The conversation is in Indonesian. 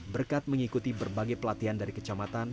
berkat mengikuti berbagai pelatihan dari kecamatan